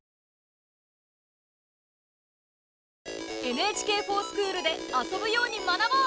「ＮＨＫｆｏｒＳｃｈｏｏｌ」で遊ぶように学ぼう！